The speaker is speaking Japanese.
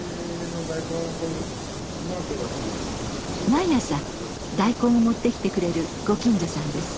毎朝大根を持ってきてくれるご近所さんです。